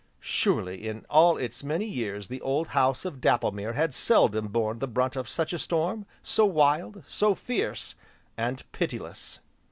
Surely in all its many years the old house of Dapplemere had seldom borne the brunt of such a storm, so wild, so fierce, and pitiless!